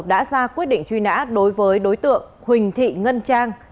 đã ra quyết định truy nã đối với đối tượng huỳnh thị ngân trang